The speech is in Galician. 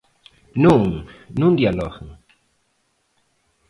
Non, non dialoguen.